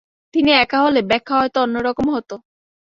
তিনি একা হলে ব্যাখ্যা হয়তো অন্য রকম হত।